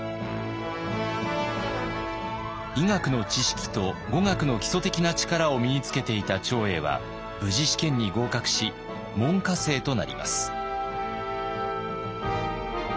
医学の知識と語学の基礎的な力を身につけていた長英は無事試験に合格し門下生となります。